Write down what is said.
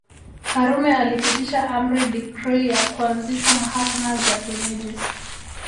Karume alipitisha amri decree ya kuanzishwa mahakama za kienyeji